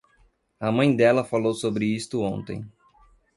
A mãe dela falou sobre isto ontem.